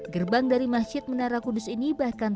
gerbang dari masjid menara kudus ini bahkan